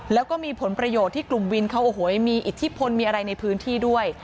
แล้วก็มีผลประโยชน์ที่กลุ่มวินเขาโอ้โหมีอิทธิพลมีอะไรในพื้นที่ด้วย